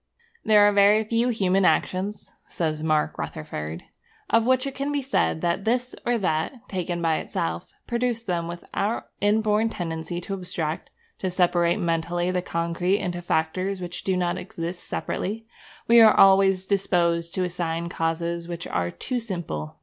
'There are very few human actions,' says Mark Rutherford, 'of which it can be said that this or that, taken by itself, produced them. With our inborn tendency to abstract, to separate mentally the concrete into factors which do not exist separately, we are always disposed to assign causes which are too simple.